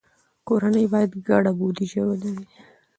کورنۍ باید ګډه بودیجه ولري.